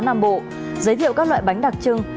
nam bộ giới thiệu các loại bánh đặc trưng